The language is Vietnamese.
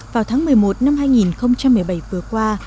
vào tháng một mươi một năm hai nghìn một mươi bảy vừa qua